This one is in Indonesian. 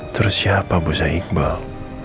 terus siapa bosan iqbal